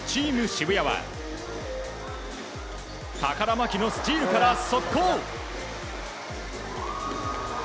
渋谷は高田真希のスチールから速攻！